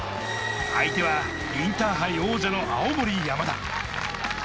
相手はインターハイ王者の青森山田。